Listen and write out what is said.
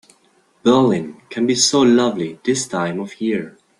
Berlin can be so lovely this time of year.